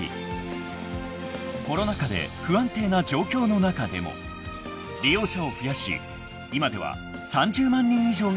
［コロナ禍で不安定な状況の中でも利用者を増やし今では］